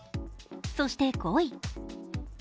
そして５位。